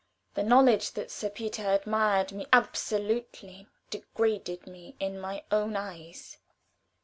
The knowledge that Sir Peter admired me absolutely degraded me in my own eyes.